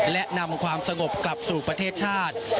และนำความสงบกลับสู่ประเทศชาติ